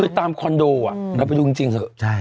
คือตามคอนโดเราไปดูจริงเถอะ